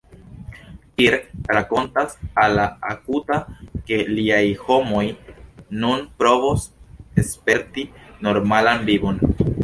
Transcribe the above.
Kirk rakontas al la Akuta, ke liaj homoj nun povos sperti normalan vivon.